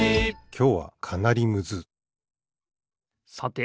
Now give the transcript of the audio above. きょうはかなりむずさて